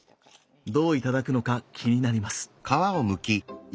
どう頂くのか気になります。